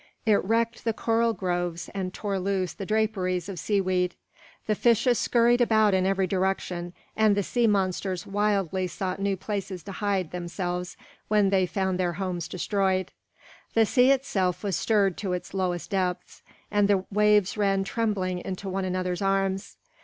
It wrecked the coral groves and tore loose the draperies of sea weed. The fishes scurried about in every direction, and the sea monsters wildly sought new places to hide themselves when they found their homes destroyed. The sea itself was stirred to its lowest depths, and the waves ran trembling into one another's arms.